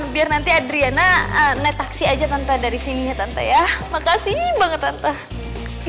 biar nanti adriana naik taksi aja tanpa dari sininya tante ya makasih banget tante